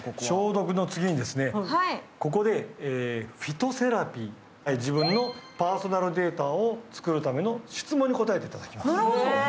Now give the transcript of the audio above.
消毒の次にここでフィトセラピー、自分のパーソナルデータを作るための質問に答えていただきます。